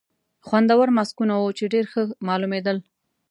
خوندور ماسکونه وو، چې ډېر ښه معلومېدل.